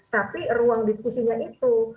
tapi ruang diskusinya itu